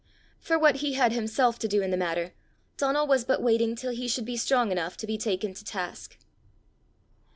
For what he had himself to do in the matter, Donal was but waiting till he should be strong enough to be taken to task.